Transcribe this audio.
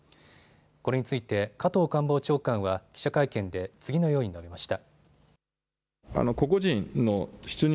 これについて加藤官房長官は記者会見で次のように述べました。